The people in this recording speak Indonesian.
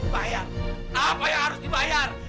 bayar apa yang harus dibayar